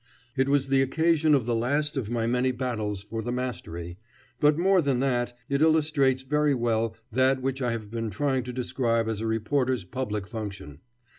It was the occasion of the last of my many battles for the mastery; but, more than that, it illustrates very well that which I have been trying to describe as a reporter's public function.